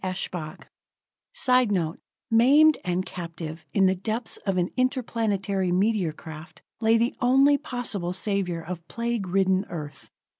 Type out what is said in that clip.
Eshbach_ [Sidenote: Maimed and captive, in the depths of an interplanetary meteor craft, lay the only possible savior of plague ridden Earth.